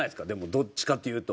どっちかというと。